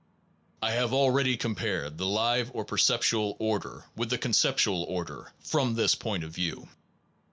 I have already compared the live or percept ual order with the conceptual order from this point of view.